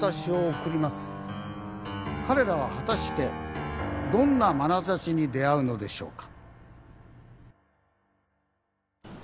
彼らは果たしてどんなまなざしに出合うのでしょうか。